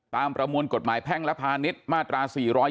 ประมวลกฎหมายแพ่งและพาณิชย์มาตรา๔๔